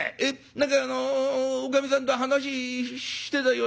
何かあのおかみさんと話してたようだけども」。